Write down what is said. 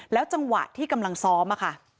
จังหวะที่กำลังซ้อมค่ะ